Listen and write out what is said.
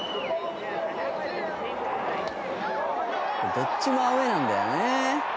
「どっちもアウェーなんだよね」